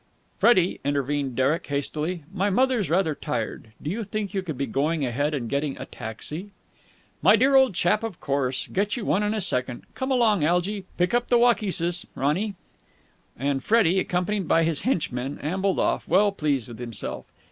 "Freddie," intervened Derek hastily, "my mother's rather tired. Do you think you could be going ahead and getting a taxi?" "My dear old chap, of course! Get you one in a second. Come along, Algy. Pick up the old waukeesis, Ronny." And Freddie, accompanied by his henchmen, ambled off, well pleased with himself.